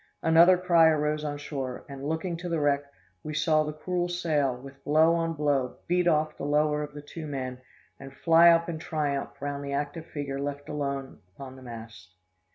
Another cry arose on shore, and, looking to the wreck, we saw the cruel sail, with blow on blow, beat off the lower of the two men, and fly up in triumph round the active figure left alone upon the mast.